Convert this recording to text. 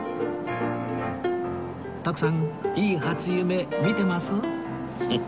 徳さんいい初夢見てます？